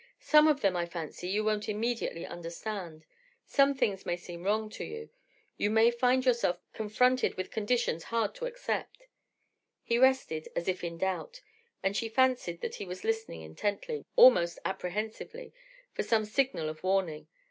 Some of them, I fancy, you won't immediately understand, some things may seem wrong to you, you may find yourself confronted with conditions hard to accept ..." He rested as if in doubt, and she fancied that he was listening intently, almost apprehensively, for some signal of warning.